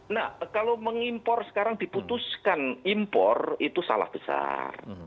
nah kalau mengimpor sekarang diputuskan impor itu salah besar